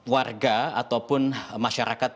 warga ataupun masyarakat